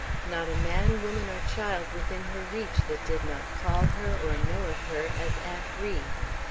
Not a man, woman, or child, within her reach, that did not call her or know of her as "Aunt Ri."